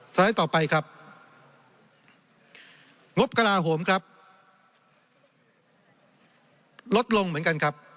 ไลด์ต่อไปครับงบกระลาโหมครับลดลงเหมือนกันครับ